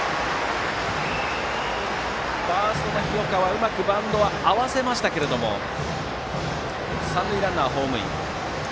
ファーストの広川うまくバウンドを合わせましたが三塁ランナー、ホームイン。